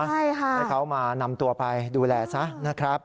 ให้เขามานำตัวไปดูแลซะนะครับ